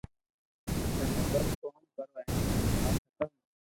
ٿني بس ڪوم ڪرو ھي بس وات ختم